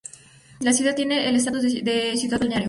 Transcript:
La ciudad tiene el estatus de ciudad balneario.